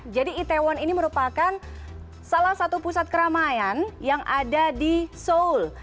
jadi itaewon ini merupakan salah satu pusat keramaian yang ada di seoul